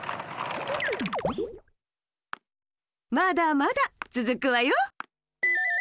まだまだつづくわよ。